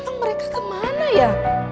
emang mereka kemana ya